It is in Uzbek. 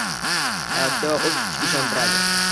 hayotga va o‘z kuchiga ishontiradi